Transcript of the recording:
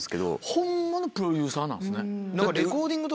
ホンマのプロデューサーなんですね。